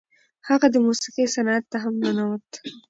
هغه د موسیقۍ صنعت ته هم ننوت.